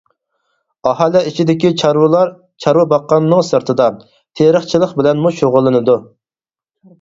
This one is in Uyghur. ئاھالە ئىچىدىكى چارۋىچىلار چارۋا باققاننىڭ سىرتىدا، تېرىقچىلىق بىلەنمۇ شۇغۇللىنىدۇ.